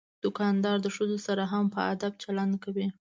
دوکاندار د ښځو سره هم په ادب چلند کوي.